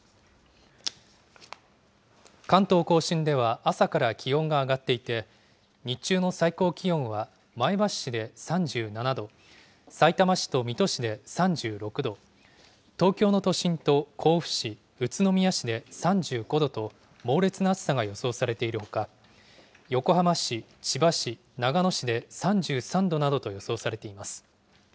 関東甲信では朝から気温が上がっていて、日中の最高気温は前橋市で３７度、さいたま市と水戸市で３６度、東京の都心と甲府市、宇都宮市で３５度と、猛烈な暑さが予想されているほか、横浜市、千葉市、長野市で３３度などと予想されています。